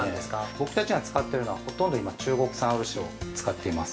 ◆僕たちの使っているのはほとんど今中国産漆を使っています。